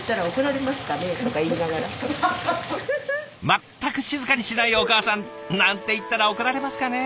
全く静かにしないお母さん！なんて言ったら怒られますかね？